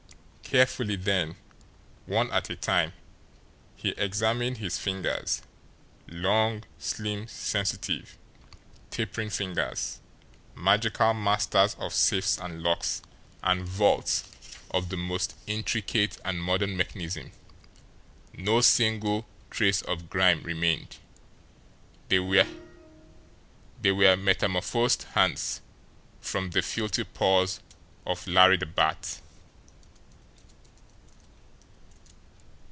Carefully then, one at a time, he examined his fingers, long, slim, sensitive, tapering fingers, magical masters of safes and locks and vaults of the most intricate and modern mechanism no single trace of grime remained, they were metamorphosed hands from the filthy paws of Larry the Bat.